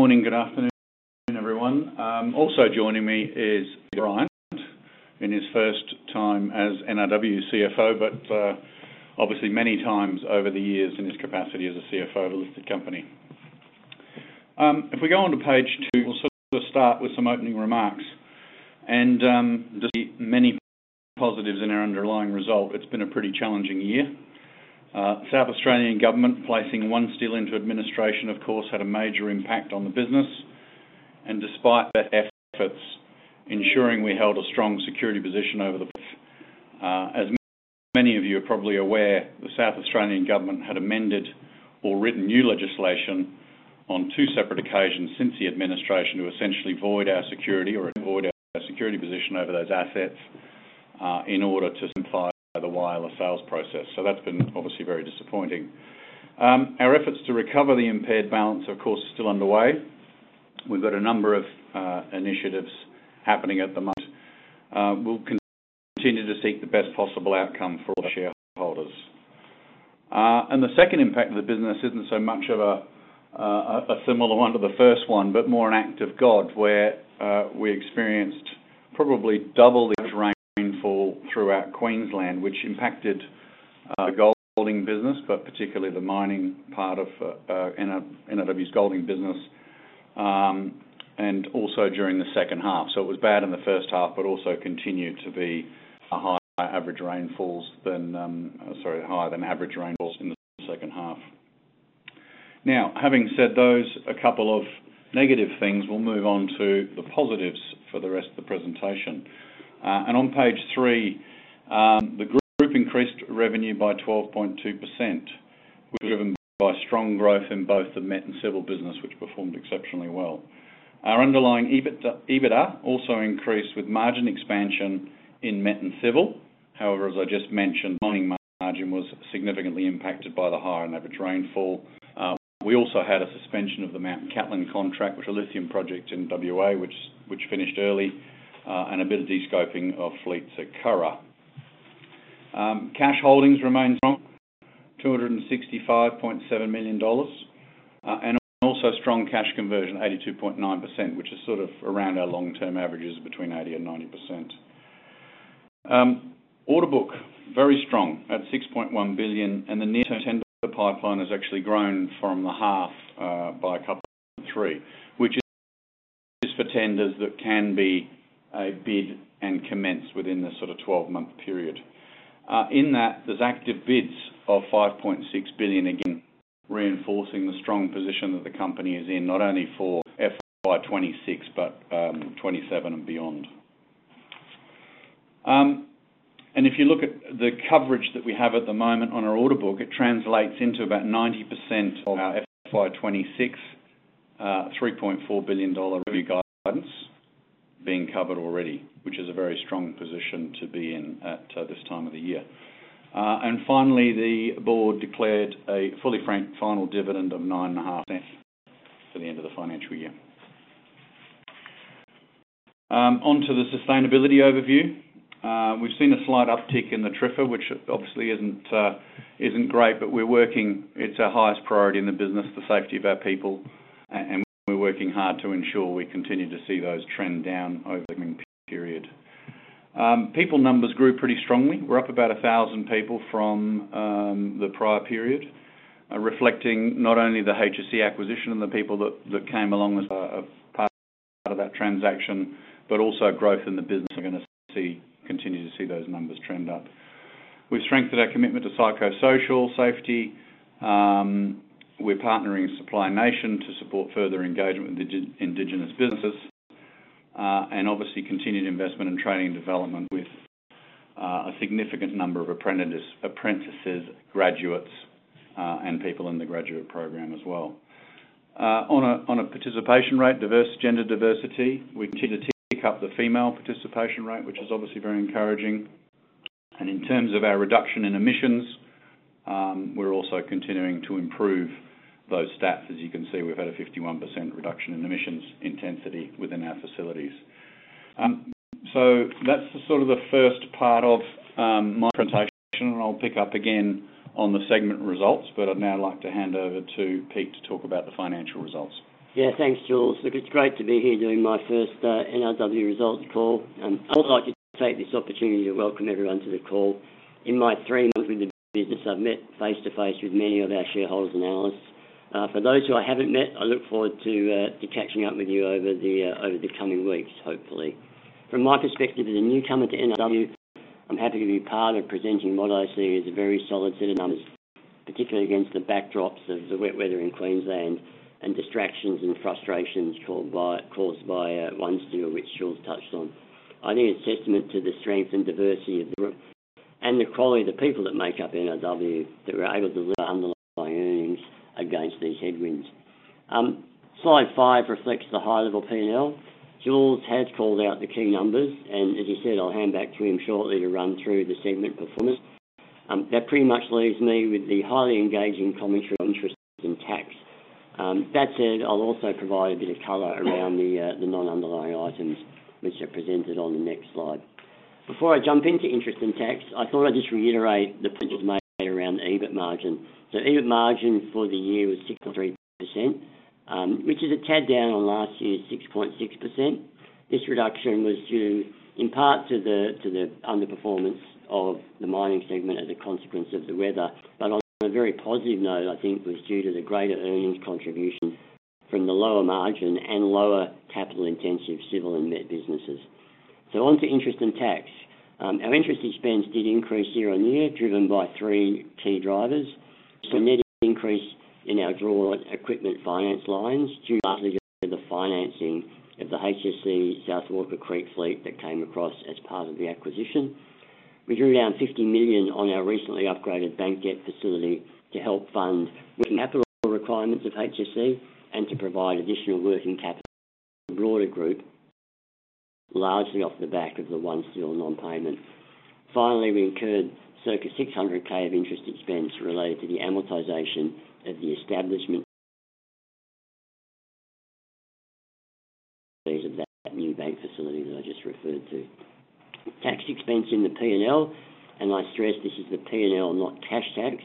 Morning, good afternoon, everyone. Also joining me is Peter Bryant, in his first time as NRW CFO, but obviously many times over the years in his capacity as a CFO of a listed company. If we go on to page, we'll sort of start with some opening remarks. There are just many positives in our underlying result. It's been a pretty challenging year. The South Australian government placing OneSteel into administration, of course, had a major impact on the business. Despite efforts ensuring we held a strong security position over the past, as many of you are probably aware, the South Australian government had amended or written new legislation on two separate occasions since the administration to essentially void our security or avoid our security position over those assets in order to simplify the wireless sales process. That's been obviously very disappointing. Our efforts to recover the impaired balance, of course, are still underway. We've got a number of initiatives happening at the moment. We'll continue to seek the best possible outcome for all shareholders. The second impact to the business isn't so much of a similar one to the first one, but more an act of God, where we experienced probably double the rainfall throughout Queensland, which impacted the Golding business, but particularly the mining part of NRW's Golding business. Also during the second half, it was bad in the first half, but also continued to be higher than average rainfalls in the second half. Having said those, a couple of negative things, we'll move on to the positives for the rest of the presentation. On page three, the group increased revenue by 12.2%, which was driven by strong growth in both the MET and Civil business, which performed exceptionally well. Our underlying EBITDA also increased with margin expansion in MET and Civil. However, as I just mentioned, the mining margin was significantly impacted by the higher average rainfall. We also had a suspension of the Mount Cattlin contract, which was a lithium project in WA, which finished early, and a bit of de-scoping of fleets at Curragh. Cash holdings remain strong, $265.7 million, and also strong cash conversion, 82.9%, which is sort of around our long-term averages between 80% and 90%. Order book, very strong at $6.1 billion. The near-term tender pipeline has actually grown from the half by a couple of three, which is for tenders that can be bid and commence within the sort of 12-month period. In that, there's active bids of $5.6 billion, again reinforcing the strong position that the company is in, not only for FY 2026, but 2027 and beyond. If you look at the coverage that we have at the moment on our order book, it translates into about 90% of our FY 2026, $3.4 billion revenue guidance being covered already, which is a very strong position to be in at this time of the year. Finally, the board declared a fully franked final dividend of 9.5% for the end of the financial year. Onto the sustainability overview. We've seen a slight uptick in the TRIFA, which obviously isn't great, but we're working, it's our highest priority in the business, the safety of our people, and we're working hard to ensure we continue to see those trend down over the coming period. People numbers grew pretty strongly. We're up about 1,000 people from the prior period, reflecting not only the HSE acquisition and the people that came along as part of that transaction, but also growth in the business. We're going to continue to see those numbers trend up. We've strengthened our commitment to psychosocial safety. We're partnering with Supply Nation to support further engagement with the indigenous businesses. Obviously, continued investment in training and development with a significant number of apprentices, graduates, and people in the graduate program as well. On a participation rate, diverse gender diversity, we continue to pick up the female participation rate, which is obviously very encouraging. In terms of our reduction in emissions, we're also continuing to improve those stats. As you can see, we've had a 51% reduction in emissions intensity within our facilities. That's the sort of the first part of my presentation. I'll pick up again on the segment results, but I'd now like to hand over to Pete to talk about the financial results. Yeah, thanks, Jules. It's great to be here doing my first NRW results call. I'd like to take this opportunity to welcome everyone to the call. In my three months with the business, I've met face to face with many of our shareholders and analysts. For those who I haven't met, I look forward to catching up with you over the coming weeks, hopefully. From my perspective as a newcomer to NRW, I'm happy to be part of presenting what I see as a very solid set of numbers, particularly against the backdrops of the wet weather in Queensland and distractions and frustrations caused by OneSteel, which Jules touched on. I think it's a testament to the strength and diversity of the group and the quality of the people that make up NRW that we're able to deliver underlying earnings against these headwinds. Slide five reflects the high-level P&L. Jules has called out the key numbers, and as he said, I'll hand back to him shortly to run through the segment performance. That pretty much leaves me with the highly engaging commentary on interest and tax. That said, I'll also provide a bit of cover around the non-underlying items, which are presented on the next slide. Before I jump into interest and tax, I thought I'd just reiterate the point made around the EBIT margin. EBIT margin for the year was 6.3%, which is a tad down on last year's 6.6%. This reduction was due in part to the underperformance of the mining segment as a consequence of the weather, but on a very positive note, I think it was due to the greater earnings contribution from the lower margin and lower capital-intensive civil and MET businesses. Onto interest and tax. Our interest expense did increase year on year, driven by three key drivers. We made an increase in our draw equipment finance lines due to the financing of the HSE South Walker Creek fleet that came across as part of the acquisition. We drew around $50 million on our recently upgraded bank debt facility to help fund working capital requirements of HSE and to provide additional working capital to the broader group, largely off the back of the OneSteel non-payment. Finally, we incurred circa $600,000 of interest expense related to the amortization of the establishment of that new bank facility that I just referred to. Tax expense in the P&L, and I stress this is the P&L, not cash tax,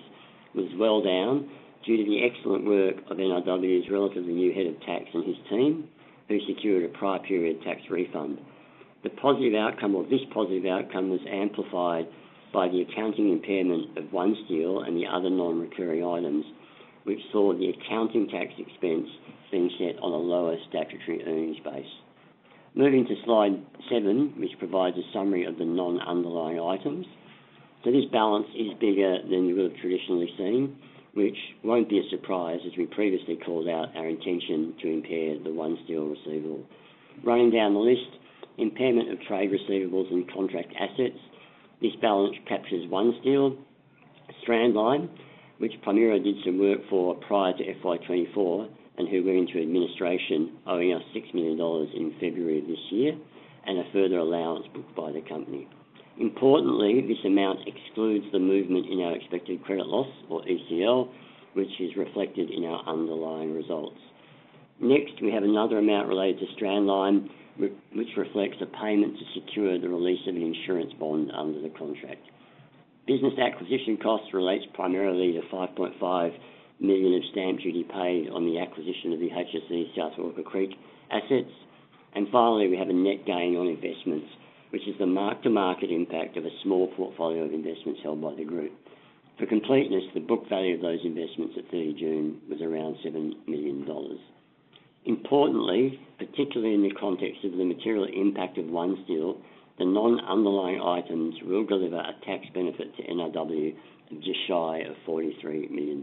was well down due to the excellent work of NRW's relatively new Head of Tax and his team, who secured a prior period tax refund. The positive outcome, or this positive outcome, was amplified by the accounting impairment of OneSteel and the other non-recurring items, which saw the accounting tax expense being set on a lower statutory earnings base. Moving to slide seven, which provides a summary of the non-underlying items. This balance is bigger than you would have traditionally seen, which won't be a surprise as we previously called out our intention to impair the OneSteel receivable. Running down the list, impairment of trade receivables and contract assets. This balance captures OneSteel, Strandline, which primarily did some work for prior to FY 2024 and who went into administration owing us $6 million in February of this year, and a further allowance booked by the company. Importantly, this amount excludes the movement in our expected credit loss, or ECL, which is reflected in our underlying results. Next, we have another amount related to Strandline, which reflects a payment to secure the release of the insurance bond under the contract. Business acquisition costs relate primarily to $5.5 million of stamp duty paid on the acquisition of the HSE South Walker Creek assets. Finally, we have a net gain on investments, which is the mark-to-market impact of a small portfolio of investments held by the group. For completeness, the book value of those investments at 30th of June was around $7 million. Importantly, particularly in the context of the material impact of OneSteel, the non-underlying items will deliver a tax benefit to NRW of just shy of $43 million.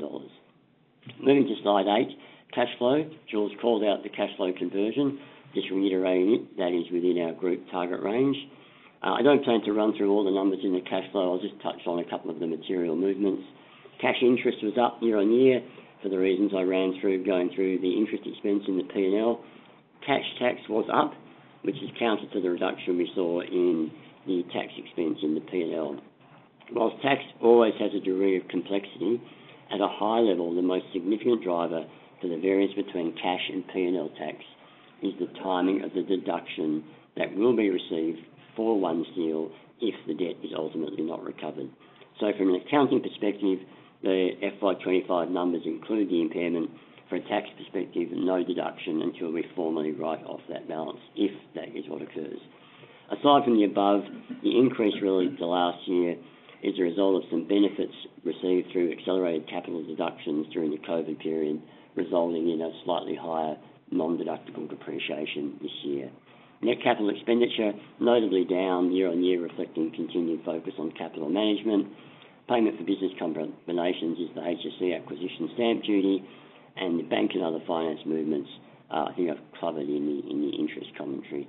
Moving to slide eight, cash flow. Jules called out the cash flow conversion. Just reiterating it, that is within our group target range. I don't plan to run through all the numbers in the cash flow. I'll just touch on a couple of the material movements. Cash interest was up year on year for the reasons I ran through going through the interest expense in the P&L. Cash tax was up, which is counter to the reduction we saw in the tax expense in the P&L. Whilst tax always has a degree of complexity, at a high level, the most significant driver for the variance between cash and P&L tax is the timing of the deduction that will be received for OneSteel if the debt is ultimately not recovered. From an accounting perspective, the FY2025 numbers include the impairment. From a tax perspective, no deduction until we formally write off that balance, if that is what occurs. Aside from the above, the increase related to last year is a result of some benefits received through accelerated capital deductions during the COVID period, resulting in a slightly higher non-deductible depreciation this year. Net capital expenditure notably down year on year, reflecting continued focus on capital management. Payment for business combinations is the HSE acquisition stamp duty, and the bank and other finance movements, I think, are covered in the interest commentary.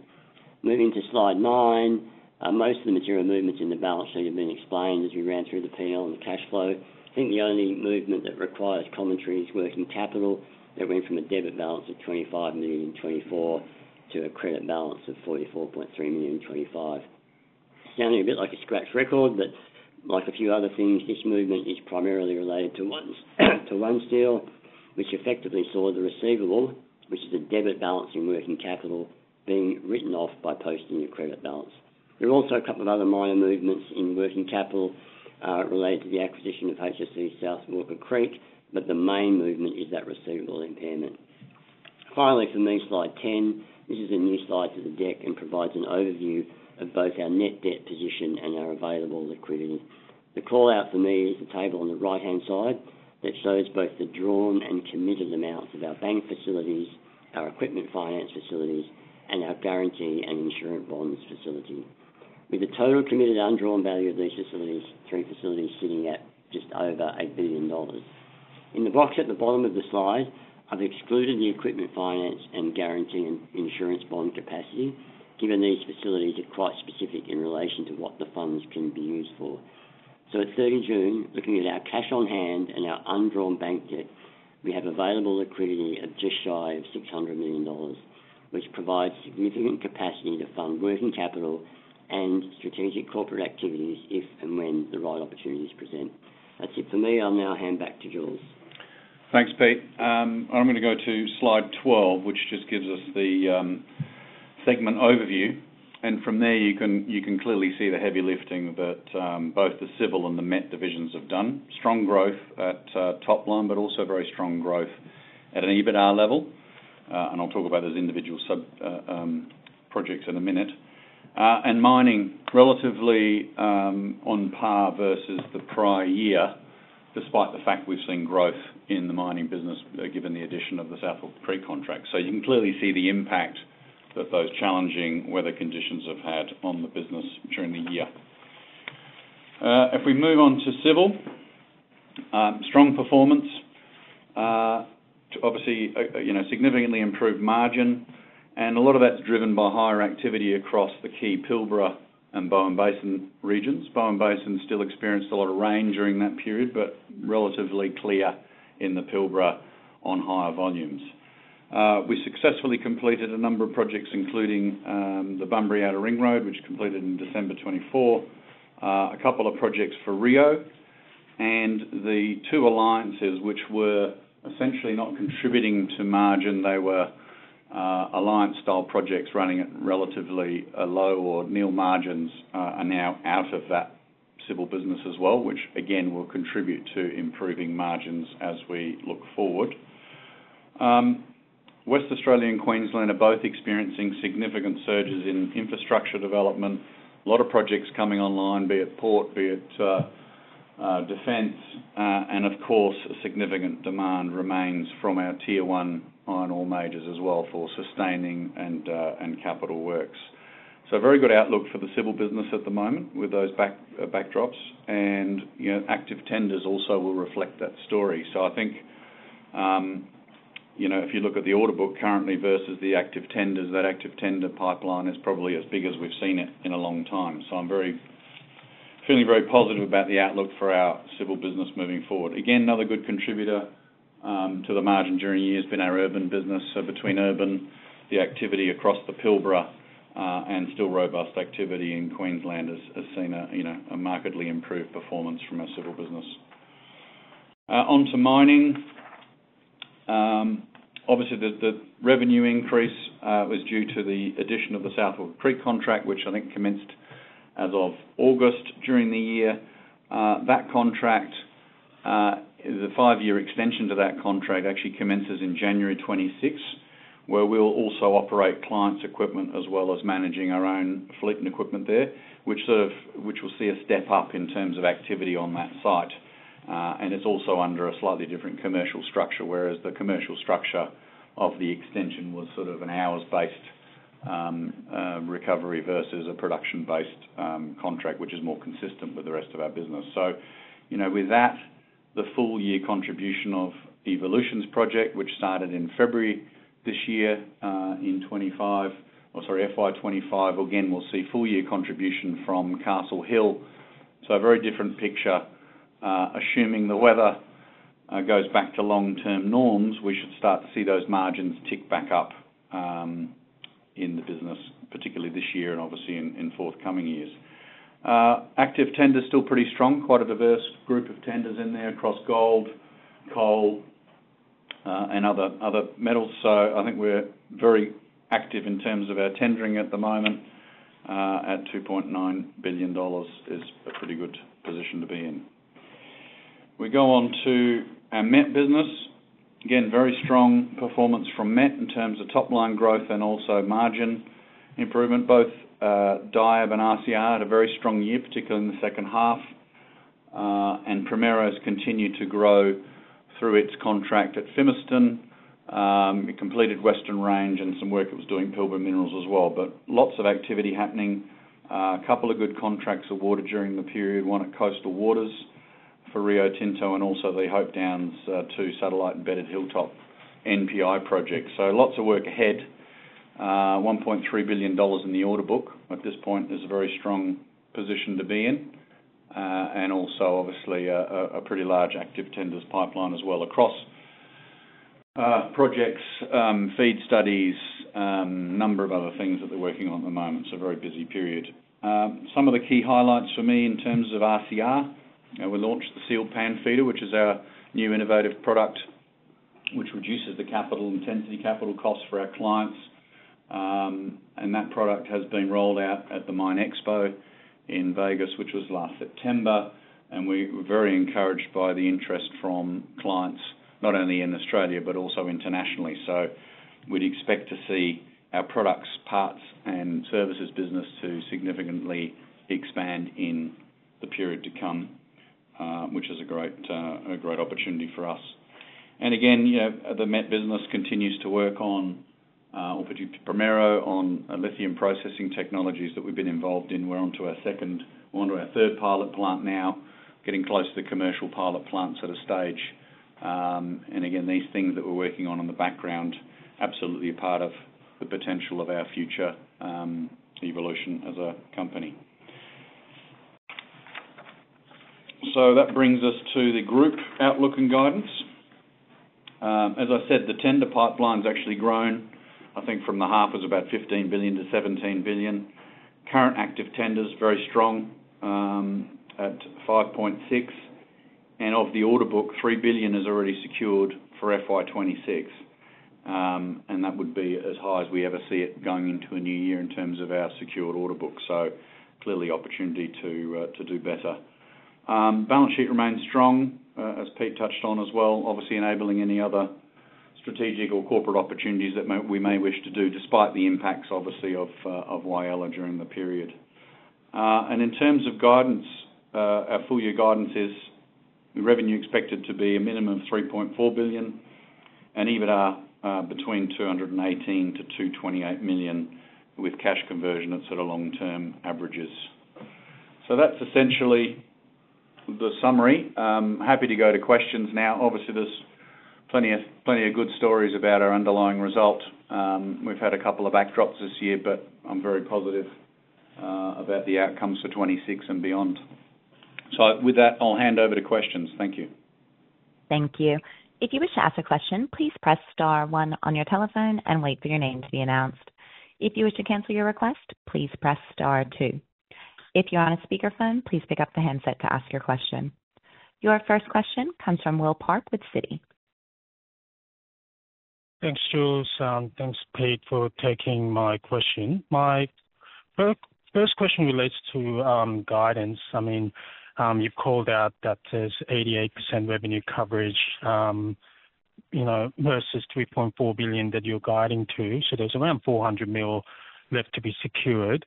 Moving to slide nine, most of the material movements in the balance sheet have been explained as we ran through the P&L and the cash flow. I think the only movement that requires commentary is working capital that went from a debit balance of $25.024 million to a credit balance of $44.325 million. Sounding a bit like a scratch record, but like a few other things, this movement is primarily related to OneSteel, which effectively saw the receivable, which is a debit balance in working capital, being written off by posting your credit balance. There were also a couple of other minor movements in working capital related to the acquisition of HSE South Walker Creek, but the main movement is that receivable impairment. Finally, for me, slide 10. This is a new slide to the deck and provides an overview of both our net debt position and our available liquidity. The call out for me is the table on the right-hand side that shows both the drawn and committed amounts of our bank facilities, our equipment finance facilities, and our guarantee and insurance bonds facility. With the total committed undrawn value of these three facilities sitting at just over $8 billion. In the box at the bottom of the slide, I've excluded the equipment finance and guarantee and insurance bond capacity, given these facilities are quite specific in relation to what the funds can be used for. At 30 June, looking at our cash on hand and our undrawn bank debt, we have available liquidity of just shy of $600 million, which provides significant capacity to fund working capital and strategic corporate activities if and when the right opportunities present. That's it for me. I'll now hand back to Jules. Thanks, Pete. I'm going to go to slide 12, which just gives us the segment overview. From there, you can clearly see the heavy lifting that both the civil and the MET divisions have done. Strong growth at top line, but also very strong growth at an EBITDA level. I'll talk about those individual sub-projects in a minute. Mining is relatively on par versus the prior year, despite the fact we've seen growth in the mining business given the addition of the South Walker Creek contract. You can clearly see the impact that those challenging weather conditions have had on the business during the year. If we move on to Civil, strong performance. Obviously, significantly improved margin. A lot of that's driven by higher activity across the key Pilbara and Bowen Basin regions. Bowen Basin still experienced a lot of rain during that period, but relatively clear in the Pilbara on higher volumes. We successfully completed a number of projects, including the Bunbury Outer Ring Road, which completed in December 2024. A couple of projects for Rio, and the two Alliances, which were essentially not contributing to margin. They were Alliance-style projects running at relatively low or nil margins, are now out of that civil business as well, which again will contribute to improving margins as we look forward. West Australia and Queensland are both experiencing significant surges in infrastructure development. A lot of projects coming online, be it port, be it defense, and of course, a significant demand remains from our tier one iron ore majors as well for sustaining and capital works. Very good outlook for the civil business at the moment with those backdrops. Active tenders also will reflect that story. I think, if you look at the order book currently versus the active tenders, that active tender pipeline is probably as big as we've seen it in a long time. I'm feeling very positive about the outlook for our civil business moving forward. Another good contributor to the margin during the year has been our urban business. Between urban, the activity across the Pilbara and still robust activity in Queensland has seen a markedly improved performance from our civil business. Onto mining. Obviously, the revenue increase was due to the addition of the South Walker Creek contract, which I think commenced as of August during the year. That contract, the five-year extension to that contract actually commences in January 2026, where we'll also operate clients' equipment as well as managing our own fleet and equipment there, which will see a step up in terms of activity on that site. It's also under a slightly different commercial structure, whereas the commercial structure of the extension was sort of an hours-based recovery versus a production-based contract, which is more consistent with the rest of our business. With that, the full-year contribution of Evolutions Project, which started in February this year in 2025, or sorry, FY 2025, again, we'll see full-year contribution from Castle Hill. A very different picture. Assuming the weather goes back to long-term norms, we should start to see those margins tick back up in the business, particularly this year and obviously in forthcoming years. Active tenders still pretty strong, quite a diverse group of tenders in there across gold, coal, and other metals. I think we're very active in terms of our tendering at the moment. At $2.9 billion, there's a pretty good position to be in. We go on to our MET business. Again, very strong performance from MET in terms of top line growth and also margin improvement. Both DIAB and RCR had a very strong year, particularly in the second half. Primero has continued to grow through its contract at Fimiston. It completed Western Range and some work it was doing at Pilbara Minerals as well, but lots of activity happening. A couple of good contracts awarded during the period, one at Coastal Waters for Rio Tinto and also the Hope Downs to satellite embedded Hilltop NPI project. Lots of work ahead. $1.3 billion in the order book. At this point, there's a very strong position to be in. Also, obviously, a pretty large active tenders pipeline as well across projects, feed studies, a number of other things that they're working on at the moment. It's a very busy period. Some of the key highlights for me in terms of RCR. We launched the Sealed Pan Feeder, which is our new innovative product, which reduces the capital intensity capital costs for our clients. That product has been rolled out at the Mine Expo in Vegas, which was last September. We were very encouraged by the interest from clients, not only in Australia, but also internationally. We'd expect to see our products, parts, and services business to significantly expand in the period to come, which is a great opportunity for us. The MET business continues to work on, particularly Primero, on lithium processing technologies that we've been involved in. We're onto our third pilot plant now, getting close to the commercial pilot plants at a stage. These things that we're working on in the background are absolutely a part of the potential of our future evolution as a company. That brings us to the group outlook and guidance. As I said, the tender pipeline's actually grown. I think from the half, it was about $15 billion-$17 billion. Current active tenders are very strong at $5.6 billion. Of the order book, $3 billion is already secured for FY 2026. That would be as high as we ever see it going into a new year in terms of our secured order book. Clearly, there is opportunity to do better. Balance sheet remains strong, as Pete touched on as well, obviously enabling any other strategic or corporate opportunities that we may wish to do despite the impacts, obviously, of Whyalla during the period. In terms of guidance, our full-year guidance is revenue expected to be a minimum of $3.4 billion and EBITDA between $218 million to $228 million with cash conversion at sort of long-term averages. That's essentially the summary. I'm happy to go to questions now. Obviously, there's plenty of good stories about our underlying result. We've had a couple of backdrops this year, but I'm very positive about the outcomes for 2026 and beyond. With that, I'll hand over to questions. Thank you. Thank you. If you wish to ask a question, please press star one on your telephone and wait for your name to be announced. If you wish to cancel your request, please press star two. If you're on a speakerphone, please pick up the handset to ask your question. Your first question comes from Will Park with Citi. Thanks, Jules. Thanks, Pete, for taking my question. My first question relates to guidance. I mean, you've called out that there's 88% revenue coverage versus $3.4 billion that you're guiding to, so there's around $400 million left to be secured.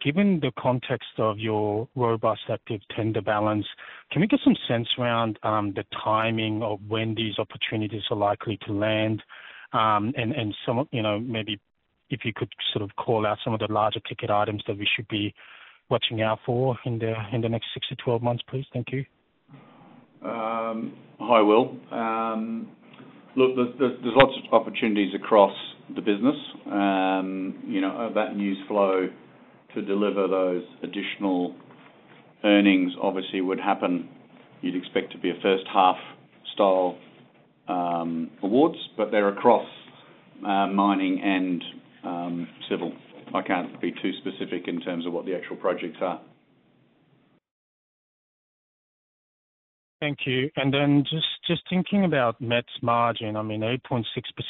Given the context of your robust active tender balance, can we get some sense around the timing of when these opportunities are likely to land? Maybe if you could sort of call out some of the larger ticket items that we should be watching out for in the next 6 to 12 months, please. Thank you. Hi, Will. Look, there's lots of opportunities across the business. You know, that news flow to deliver those additional earnings obviously would happen. You'd expect to be a first-half style awards, but they're across mining and civil. I can't be too specific in terms of what the actual projects are. Thank you. Just thinking about MET's margin, 8.6%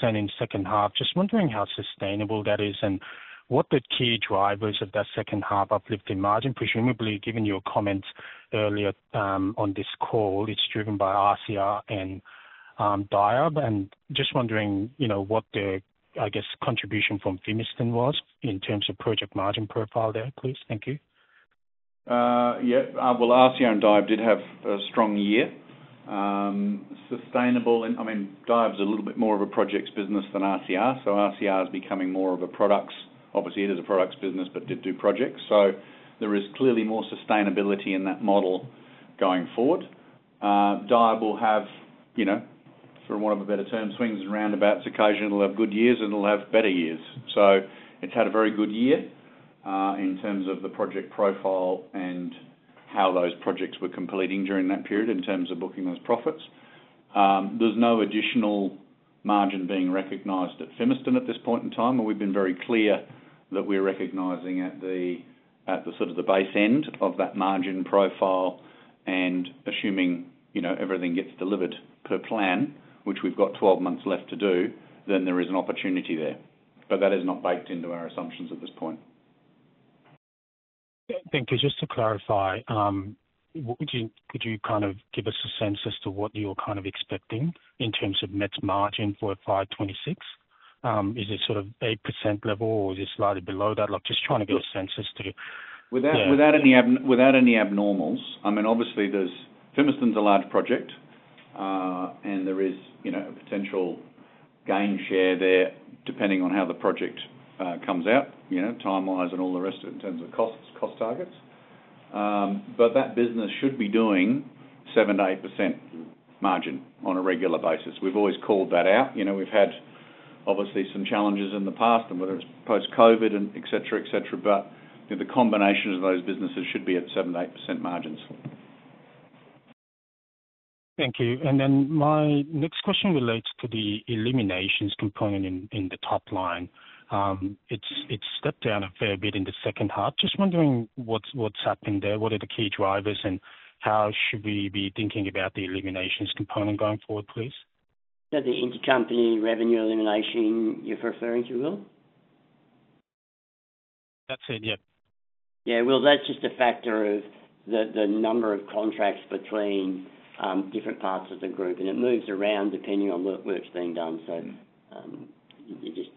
in the second half, just wondering how sustainable that is and what the key drivers of that second half uplift in margin are. Presumably, given your comments earlier on this call, it's driven by RCR and DIAB. Just wondering what the, I guess, contribution from Fimiston was in terms of project margin profile there, please. Thank you. Yeah. RCR and DIAB did have a strong year. Sustainable, and I mean, DIAB is a little bit more of a projects business than RCR. RCR is becoming more of a products business, but did do projects. There is clearly more sustainability in that model going forward. DIAB will have, you know, for want of a better term, swings and roundabouts. Occasionally, it'll have good years and it'll have better years. It's had a very good year in terms of the project profile and how those projects were completing during that period in terms of booking those profits. There's no additional margin being recognized at Fimiston at this point in time. We've been very clear that we're recognizing at the sort of the base end of that margin profile. Assuming everything gets delivered per plan, which we've got 12 months left to do, then there is an opportunity there. That is not baked into our assumptions at this point. Thank you. Just to clarify, could you give us a sense as to what you're expecting in terms of MET's margin for FY 2026? Is it at the 8% level, or is it slightly below that? Just trying to get a sense as to. Without any abnormals, I mean, obviously, Fimiston's a large project. There is, you know, a potential gain share there depending on how the project comes out, you know, timelines and all the rest of it in terms of costs, cost targets. That business should be doing 7%-8% margin on a regular basis. We've always called that out. We've had obviously some challenges in the past, whether it's post-COVID, et cetera, et cetera, but the combination of those businesses should be at 7%-8% margins. Thank you. My next question relates to the eliminations component in the top line. It stepped down a fair bit in the second half. I'm just wondering what's happening there, what are the key drivers, and how should we be thinking about the eliminations component going forward, please? The intercompany revenue elimination you're referring to, Will? That's it, yeah. Yeah, Will, that's just a factor of the number of contracts between different parts of the group, and it moves around depending on what's being done. You just.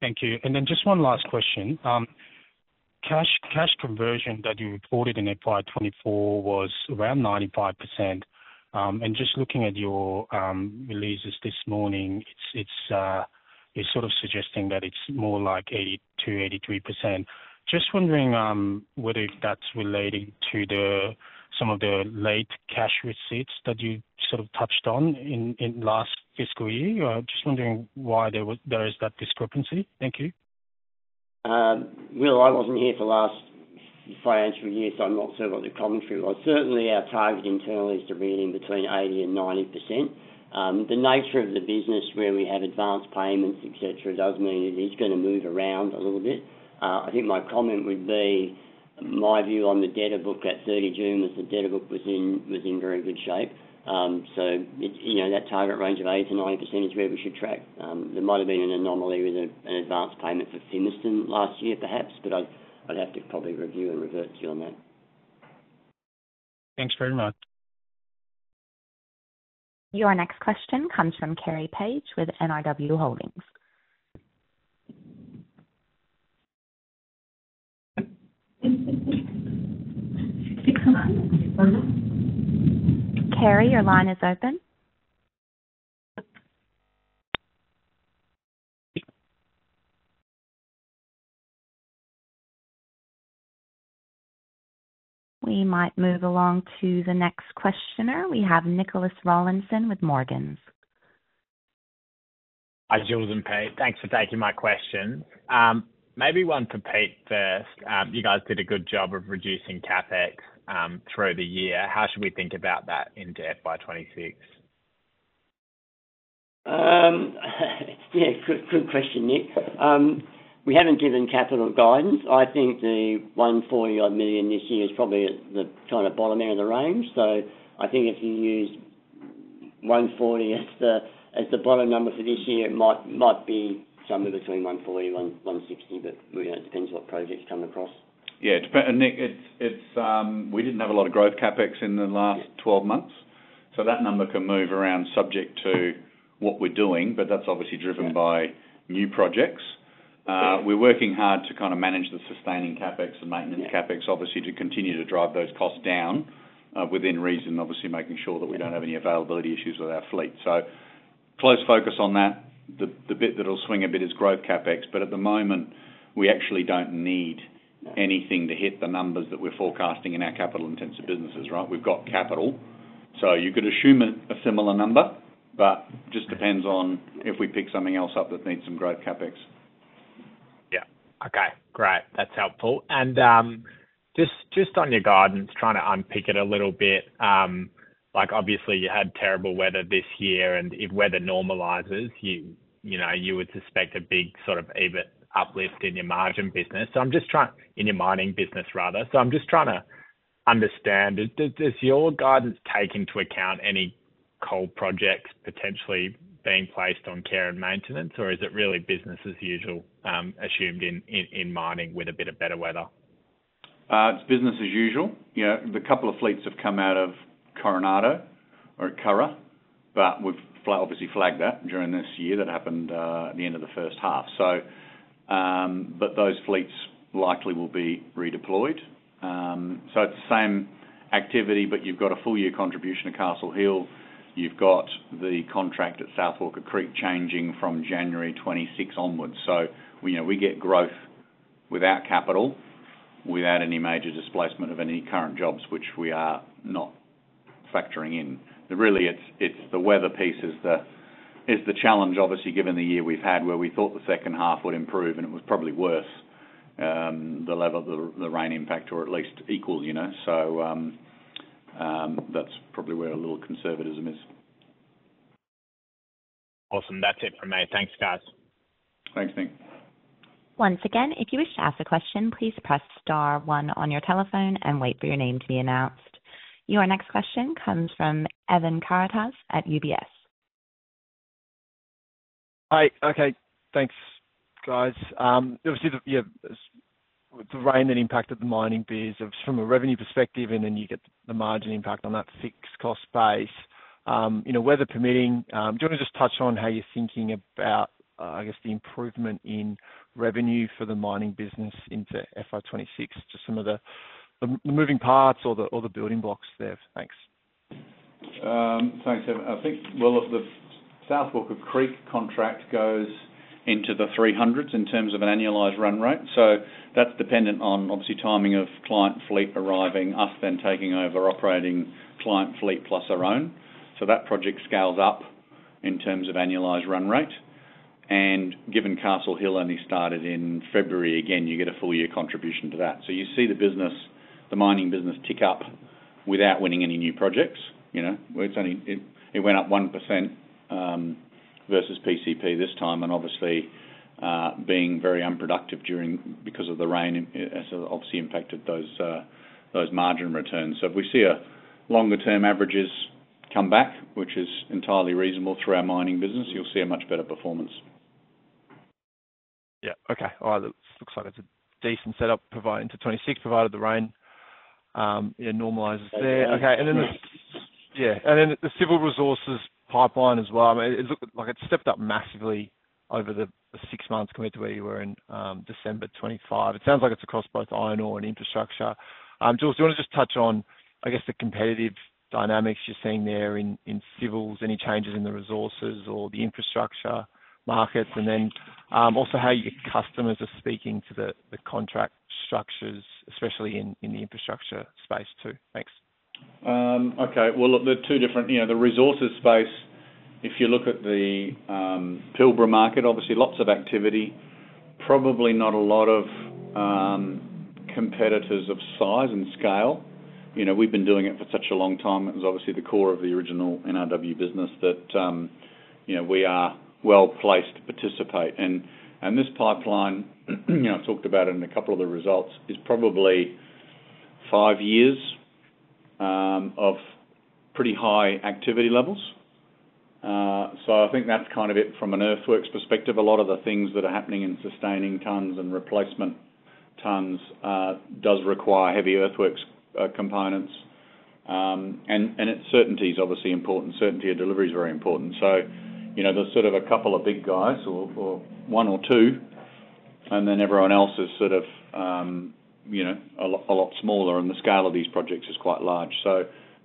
Thank you. Just one last question. Cash conversion that you reported in FY 2024 was around 95%. Just looking at your releases this morning, it's sort of suggesting that it's more like 82% or 83%. Just wondering whether that's related to some of the late cash receipts that you touched on in the last fiscal year. Just wondering why there is that discrepancy. Thank you. I wasn't here for the last financial year, so I'm not sure what the commentary was. Certainly, our target internally is to be in between 80% and 90%. The nature of the business where we have advanced payments, et cetera, does mean it is going to move around a little bit. I think my comment would be my view on the debtor book at 30 June was the debtor book was in very good shape. You know that target range of 80%-90% is where we should track. There might have been an anomaly with an advanced payment for Fimiston last year, perhaps, but I'd have to probably review and revert to you on that. Thanks very much. Your next question comes from Carrie Page with NRW Holdings. Kerry, your line is open. We might move along to the next questioner. We have Nicholas Rawlinson with Morgans. Hi, Jules and Pete. Thanks for taking my question. Maybe one for Pete first. You guys did a good job of reducing CapEx through the year. How should we think about that in debt by 2026? Yeah, good question, Nick. We haven't given capital guidance. I think the $140-odd million this year is probably the kind of bottom area of the range. I think if you use $140 million as the bottom number for this year, it might be somewhere between $140 million and $160 million, but it depends what projects come across. Yeah, Nick, we didn't have a lot of growth CapEx in the last 12 months. That number can move around subject to what we're doing, but that's obviously driven by new projects. We're working hard to kind of manage the sustaining CapEx and maintenance CapEx, obviously to continue to drive those costs down within reason, obviously making sure that we don't have any availability issues with our fleet. Close focus on that. The bit that'll swing a bit is growth CapEx, but at the moment, we actually don't need anything to hit the numbers that we're forecasting in our capital-intensive businesses, right? We've got capital. You could assume a similar number, but it just depends on if we pick something else up that needs some growth CapEx. Yeah. Okay, great. That's helpful. Just on your guidance, trying to unpick it a little bit, obviously you had terrible weather this year, and if weather normalizes, you would suspect a big sort of EBIT uplift in your mining business. I'm just trying to understand, does your guidance take into account any coal projects potentially being placed on care and maintenance, or is it really business as usual assumed in mining with a bit of better weather? It's business as usual. You know, the couple of fleets have come out of Coronado or Curragh, but we've obviously flagged that during this year that happened at the end of the first half. Those fleets likely will be redeployed. It's the same activity, but you've got a full-year contribution to Castle Hill. You've got the contract at South Walker Creek changing from January 2026 onwards. We get growth without capital, without any major displacement of any current jobs, which we are not factoring in. Really, the weather piece is the challenge, obviously, given the year we've had where we thought the second half would improve, and it was probably worth the level of the rain impact or at least equal. That's probably where a little conservatism is. Awesome. That's it from me. Thanks, guys. Thanks, Nick. Once again, if you wish to ask a question, please press star one on your telephone and wait for your name to be announced. Your next question comes from Evan Karatzas at UBS. Hi. Okay, thanks, guys. Obviously, you know, the rain that impacted the mining biz, it was from a revenue perspective, and then you get the margin impact on that fixed cost base. You know, weather permitting, do you want to just touch on how you're thinking about, I guess, the improvement in revenue for the mining business into FY 2026? Just some of the moving parts or the building blocks there. Thanks. Thanks, Evan. I think the South Walker Creek contract goes into the 300s in terms of an annualized run rate. That's dependent on, obviously, timing of client fleet arriving, us then taking over operating client fleet plus our own. That project scales up in terms of annualized run rate. Given Castle Hill only started in February, again, you get a full-year contribution to that. You see the business, the mining business, tick up without winning any new projects. It went up 1% versus PCP this time, and obviously, being very unproductive because of the rain, it's obviously impacted those margin returns. If we see longer-term averages come back, which is entirely reasonable through our mining business, you'll see a much better performance. Yeah, okay. It looks like it's a decent setup provided to 2026, provided the rain normalizes there. Okay, and then, yeah, the civil resources pipeline as well. I mean, it looked like it stepped up massively over the six months compared to where you were in December 2025. It sounds like it's across both iron ore and infrastructure. Jules, do you want to just touch on, I guess, the competitive dynamics you're seeing there in civils? Any changes in the resources or the infrastructure market? Also, how your customers are speaking to the contract structures, especially in the infrastructure space too. Thanks. Okay. The two different, you know, the resources space, if you look at the Pilbara market, obviously, lots of activity, probably not a lot of competitors of size and scale. You know, we've been doing it for such a long time. It was obviously the core of the original NRW business that, you know, we are well placed to participate. This pipeline, you know, I've talked about it in a couple of the results, is probably five years of pretty high activity levels. I think that's kind of it from an earthworks perspective. A lot of the things that are happening in sustaining tons and replacement tons do require heavy earthworks components. Certainty is obviously important. Certainty of delivery is very important. There are sort of a couple of big guys or one or two, and then everyone else is sort of, you know, a lot smaller, and the scale of these projects is quite large.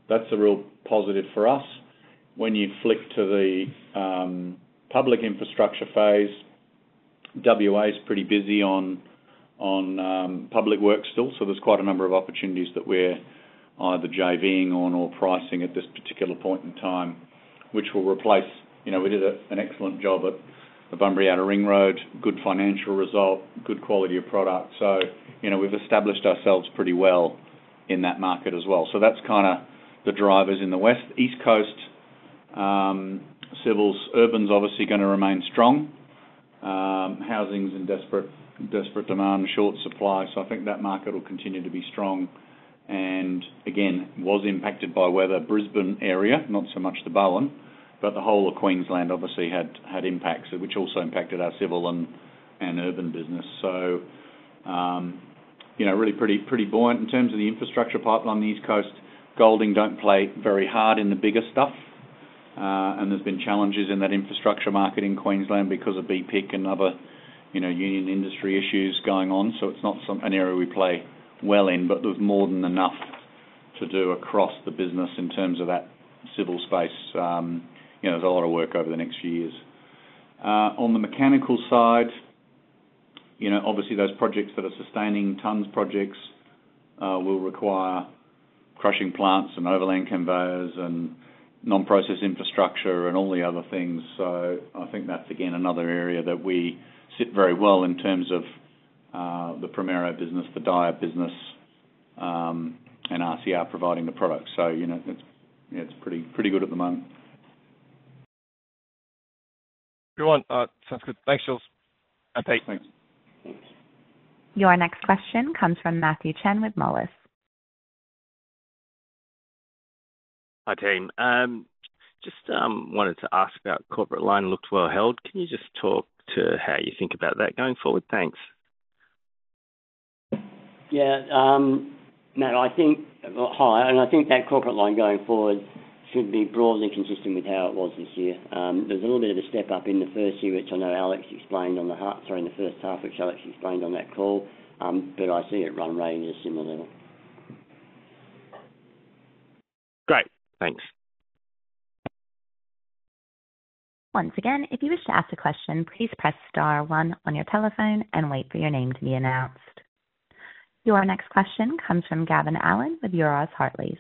That's a real positive for us. When you flick to the public infrastructure phase, WA is pretty busy on public work still. There are quite a number of opportunities that we're either JVing on or pricing at this particular point in time, which will replace, you know, we did an excellent job at the Bunbury Outer Ring Road, good financial result, good quality of product. We've established ourselves pretty well in that market as well. That's kind of the drivers in the West. East Coast, civils, urbans obviously going to remain strong. Housing is in desperate demand, short supply. I think that market will continue to be strong. It was impacted by weather, Brisbane area, not so much the Bowen, but the whole of Queensland obviously had impacts, which also impacted our civil and urban business. Really pretty buoyant in terms of the infrastructure pipeline on the East Coast. Golding don't play very hard in the bigger stuff. There have been challenges in that infrastructure market in Queensland because of BPIC and other, you know, union industry issues going on. It's not an area we play well in, but there's more than enough to do across the business in terms of that civil space. There's a lot of work over the next few years. On the mechanical side, obviously those projects for the sustaining tons projects will require crushing plants and overland conveyors and non-process infrastructure and all the other things. I think that's again another area that we sit very well in terms of the Primero business, the DIAB business, and RCR providing the products. It's pretty good at the moment. Everyone, sounds good. Thanks, Jules. Thanks, thanks. Your next question comes from Matthew Chen with Moelis. Hi, team. Just wanted to ask about corporate line. Looked well held. Can you just talk to how you think about that going forward? Thanks. Yeah, no, I think that corporate line going forward should be broadly consistent with how it was this year. There's a little bit of a step up in the first half, which I know Alex explained on that call, but I see it run at a similar level. Great. Thanks. Once again, if you wish to ask a question, please press star one on your telephone and wait for your name to be announced. Your next question comes from Gavin Allen with Euroz Hartleys.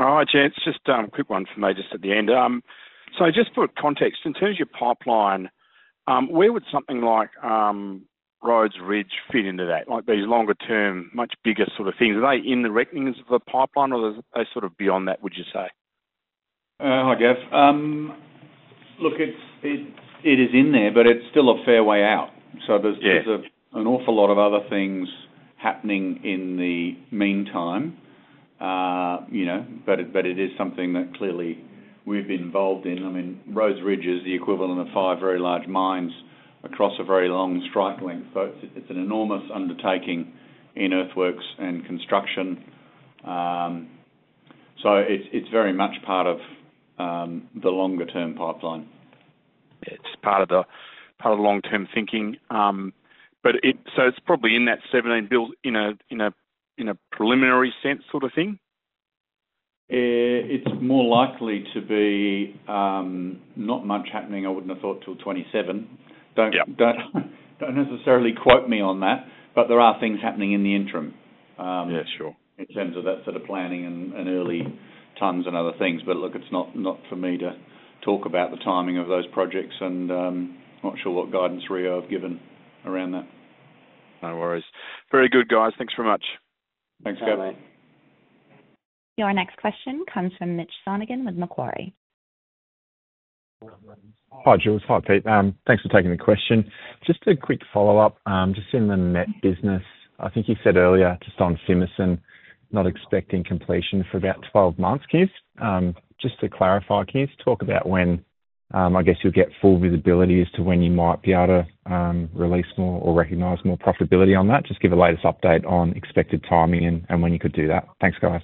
All right, just a quick one for me at the end. Just for context, in terms of your pipeline, where would something like roads, ridge fit into that? Like these longer-term, much bigger sort of things. Are they in the reckonings of the pipeline or are they sort of beyond that, would you say? Hi, Gav. Look, it is in there, but it's still a fair way out. There's an awful lot of other things happening in the meantime. You know, it is something that clearly we've been involved in. I mean, roads, ridge is the equivalent of five very large mines across a very long strike length. It's an enormous undertaking in earthworks and construction. It is very much part of the longer-term pipeline. It's part of the long-term thinking, so it's probably in that seven to eight build in a preliminary sense sort of thing? It's more likely to be not much happening, I wouldn't have thought, till 2027. Don't necessarily quote me on that, but there are things happening in the interim. Yeah, sure. In terms of that sort of planning and early tons and other things, it's not for me to talk about the timing of those projects. I'm not sure what guidance Rio have given around that. No worries. Very good, guys. Thanks very much. Thanks, Gav. Your next question comes from Mitch Sonogan with Macquarie. Hi, Jules. Hi, Pete. Thanks for taking the question. Just a quick follow-up. Just in the MET business, I think you said earlier, just on Fimiston, not expecting completion for about 12 months. Can you just clarify, can you talk about when, I guess, you'll get full visibility as to when you might be able to release more or recognize more profitability on that? Just give a latest update on expected timing and when you could do that. Thanks, guys.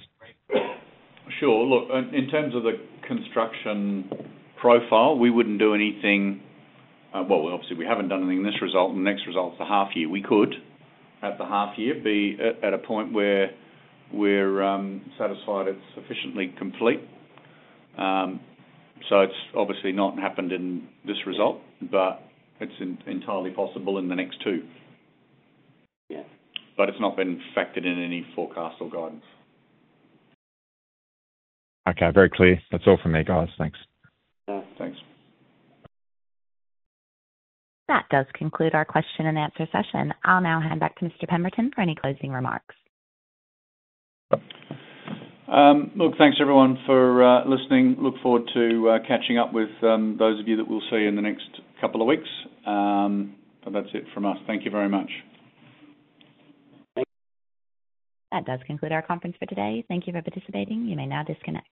Sure. Look, in terms of the construction profile, we wouldn't do anything. Obviously, we haven't done anything in this result. In the next result, the half year, we could, at the half year, be at a point where we're satisfied it's sufficiently complete. It's obviously not happened in this result, but it's entirely possible in the next two. Yeah. It has not been factored in any forecast or guidance. Okay, very clear. That's all from me, guys. Thanks. Yeah, thanks. That does conclude our question and answer session. I'll now hand back to Mr. Pemberton for any closing remarks. Thanks everyone for listening. Look forward to catching up with those of you that we'll see in the next couple of weeks. That's it from us. Thank you very much. Thanks. That does conclude our conference for today. Thank you for participating. You may now disconnect.